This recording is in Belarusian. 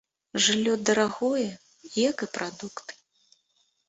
Жыллё дарагое, як і прадукты.